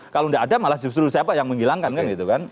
kalau tidak ada malah justru siapa yang menghilangkan kan gitu kan